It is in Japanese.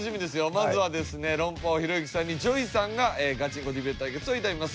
まずはですね論破王ひろゆきさんにＪＯＹさんがガチンコディベート対決を挑みます。